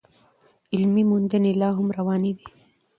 علمي موندنې لا هم روانې دي.